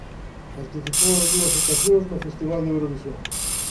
Participou en dúas ocasións no Festival de Eurovisión.